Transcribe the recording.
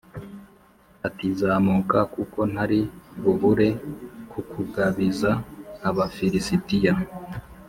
ati “Zamuka kuko ntari bubure kukugabiza Abafilisitiya.”